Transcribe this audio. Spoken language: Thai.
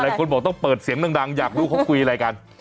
คนบอกต้องเปิดเสียงดังอยากรู้เขาคุยอะไรกัน